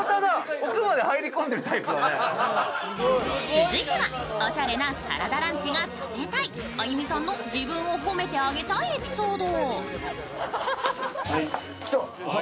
続いてはおしゃれなサラダランチが食べたい、あゆみさんの自分を褒めてあげたいエピソード。